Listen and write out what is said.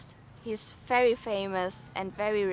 dia sangat terkenal dan sangat kaya